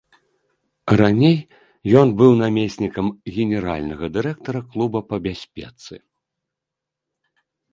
Раней ён быў намеснікам генеральнага дырэктара клуба па бяспецы.